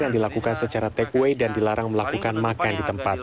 yang dilakukan secara takeaway dan dilarang melakukan makan di tempat